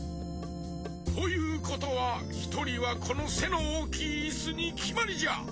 ということはひとりはこのせのおおきいイスにきまりじゃ！